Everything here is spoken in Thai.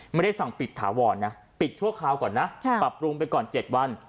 ไม่ได้สั่งปิดถาวรนะปิดชั่วคราวก่อนนะปรับปรุงไปก่อน๗วัน